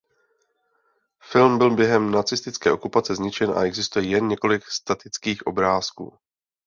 Film byl během nacistické okupace zničen a existuje jen několik statických obrázků.